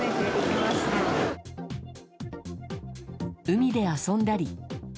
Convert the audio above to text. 海で遊んだり。